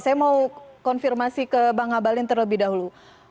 saya mau konfirmasi ke bang abalin terlebih dahulu